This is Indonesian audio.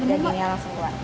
dagingnya langsung keluar